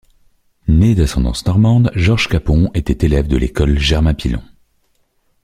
Né d'ascendance normande, Georges Capon est élève de l'École Germain-Pilon.